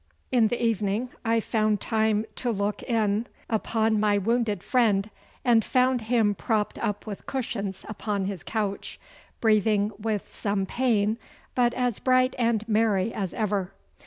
In the evening I found time to look in upon my wounded friend, and found him propped up with cushions upon his couch, breathing with some pain, but as bright and merry as ever.